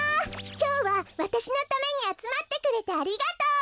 きょうはわたしのためにあつまってくれてありがとう！